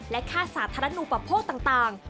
และค่าสาธารณูประโพธิต่าง